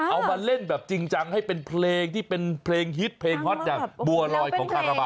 เอามาเล่นแบบจริงจังให้เป็นเพลงที่เป็นเพลงฮิตเพลงฮอตอย่างบัวลอยของคาราบา